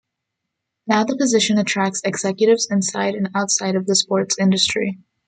Now, the position attracts executives inside and outside of the sports industry.